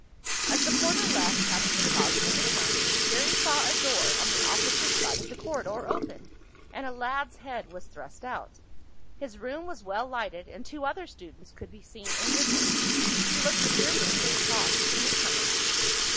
As the porter left, having deposited the trunks, Jerry saw a door on the opposite side of the corridor open, and a lad's head was thrust out. His room was well lighted, and two other students could be seen in with him. He looked curiously across at the newcomers.